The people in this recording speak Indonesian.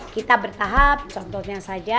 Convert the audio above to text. kita bertahap contohnya saja